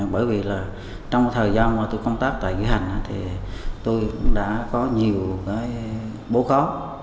bởi vì là trong thời gian mà tôi công tác tại nghĩa hành thì tôi cũng đã có nhiều cái bố khó